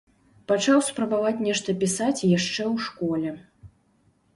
Пачаў спрабаваць нешта пісаць яшчэ ў школе.